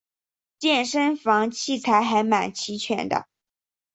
健身房器材还蛮齐全的